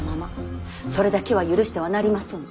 それだけは許してはなりませぬ。